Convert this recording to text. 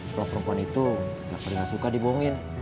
kalau perempuan itu gak pernah suka dibohongin